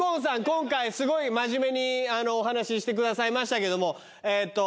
今回すごい真面目にお話ししてくださいましたけども。